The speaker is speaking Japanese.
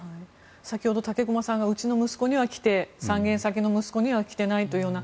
先ほど、武隈さんがうちの息子には来て３軒先の息子には来てないというような。